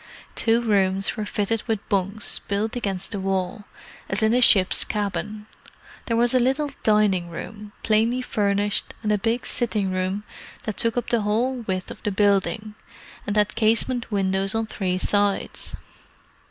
Two rooms were fitted with bunks built against the wall, as in a ship's cabin: there was a little dining room, plainly furnished, and a big sitting room that took up the whole width of the building, and had casement windows on three sides.